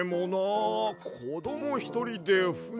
こどもひとりでふねはなあ。